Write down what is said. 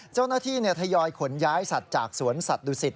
เจ้าหน้าที่ทยอยขนย้ายสัตว์จากสวนสัตว์ดุสิต